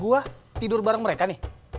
buah tidur bareng mereka nih